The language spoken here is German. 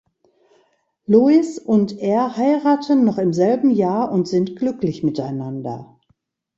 Lois und er heiraten noch im selben Jahr und sind glücklich miteinander.